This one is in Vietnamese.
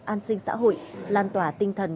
an sinh xã hội lan tỏa tinh thần